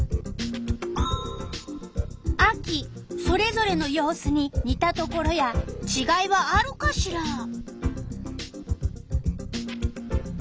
それぞれの様子ににたところやちがいはあるかしら？